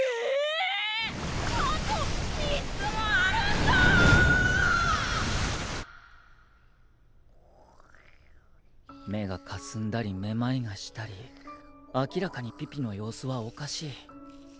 心の声目がかすんだりめまいがしたり明らかにピピの様子はおかしい。